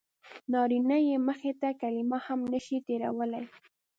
نارینه یې مخې ته کلمه هم نه شي تېرولی.